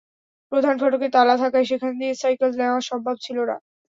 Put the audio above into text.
প্রধান ফটকে তালা থাকায় সেখান দিয়ে সাইকেল নেওয়া সম্ভব ছিল না।